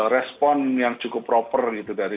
respon yang cukup proper gitu dari